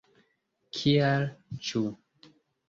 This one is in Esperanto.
Kial, ĉu?